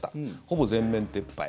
ほぼ全面撤廃。